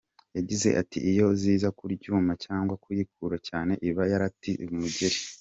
Yagize ati ‟Iyo ziza kuyiruma cyangwa kuyikurura cyane, iba yaraziteye umugeri.